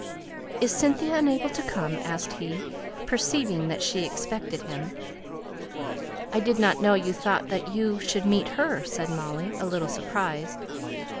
"Is Cynthia unable to come?" asked he, perceiving that she expected him. "I did not know you thought that you should meet her," said Molly, a little surprised.